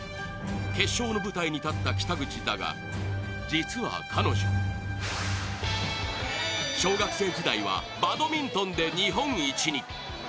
決勝の舞台に立った北口だが実は彼女小学生時代はバドミントンで日本一に。